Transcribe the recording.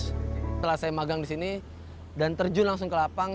setelah saya magang di sini dan terjun langsung ke lapang